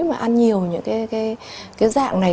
mà ăn nhiều những cái dạng này